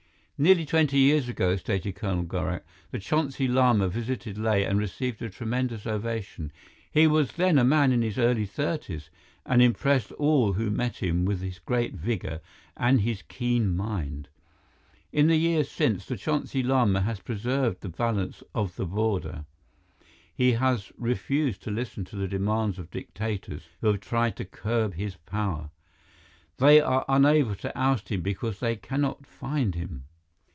"Nearly twenty years ago," stated Colonel Gorak, "the Chonsi Lama visited Leh and received a tremendous ovation. He was then a man in his early thirties and impressed all who met him with his great vigor and his keen mind. In the years since, the Chonsi Lama has preserved the balance of the border. He has refused to listen to the demands of dictators who have tried to curb his power. They are unable to oust him because they cannot find him."